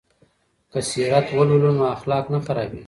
که سیرت ولولو نو اخلاق نه خرابیږي.